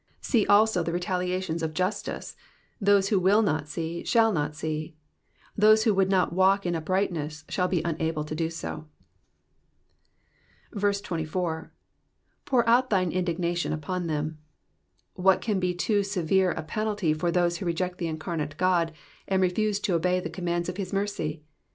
See also the retaliations of justice : those who will not see shall not see ; those who would not walk in uprightness shall be unable to do so. 24. ^^Pour out thine indignation upon them.'*^ What can be too severe a penalty for those who reject the incarnate God, ahd refuse to obey the com mands of his mercy